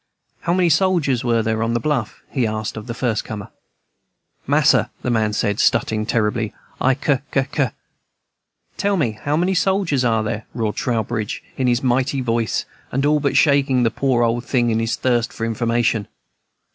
"How many soldiers are there on the bluff?" he asked of the first comer. "Mas'r," said the man, stuttering terribly, "I c c c " "Tell me how many soldiers there are!" roared Trowbridge, in his mighty voice, and all but shaking the poor old thing, in his thirst for information.